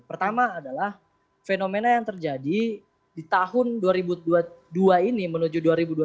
pertama adalah fenomena yang terjadi di tahun dua ribu dua puluh dua ini menuju dua ribu dua puluh